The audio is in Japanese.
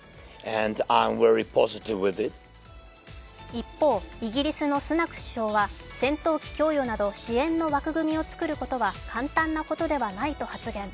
一方、イギリスのスナク首相は戦闘機供与など支援の枠組みを作ることは簡単なことではないと発言。